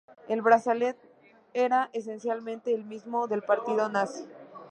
El brazalete era esencialmente el mismo que el del Partido Nazi.